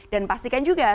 dan pastikan juga